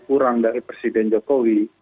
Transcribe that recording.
kurang dari presiden jokowi